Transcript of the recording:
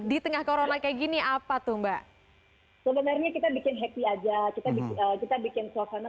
di tengah corona kayak gini apa tuh mbak sebenarnya kita bikin happy aja kita bikin suasana